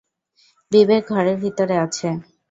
বিবেক, ঘরের ভিতরে আছে।